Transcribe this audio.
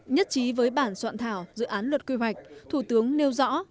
nhất trí với bản soạn thảo dự án luật quy hoạch thủ tướng nêu rõ